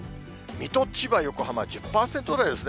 水戸、千葉、横浜１０％台ですね。